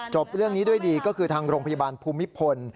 เรื่องนี้ด้วยดีก็คือทางโรงพยาบาลภูมิพล